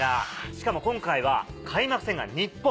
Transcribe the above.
しかも今回は開幕戦が日本。